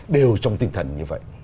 đều trong tinh thần như vậy